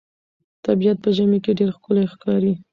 طبیعت په ژمي کې ډېر ښکلی ښکاري.